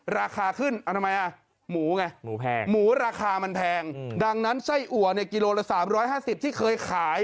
ราคาขึ้นเอาทำไมอ่ะหมูไงหมูแพงหมูราคามันแพงดังนั้นไส้อัวเนี่ยกิโลละ๓๕๐ที่เคยขาย